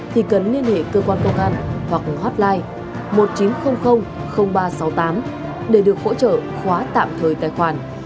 thì cần liên hệ cơ quan công an hoặc hotline một nghìn chín trăm linh ba trăm sáu mươi tám để được hỗ trợ khóa tạm thời tài khoản